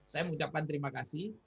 saya mengucapkan terima kasih